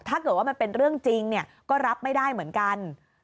ถ้าเกิดว่ามันเป็นเรื่องจริงก็รับไม่ได้เหมือนกัน